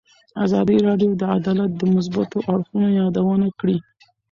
ازادي راډیو د عدالت د مثبتو اړخونو یادونه کړې.